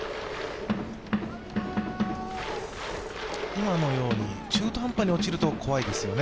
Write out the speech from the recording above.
今のように中途半端に落ちると怖いですよね。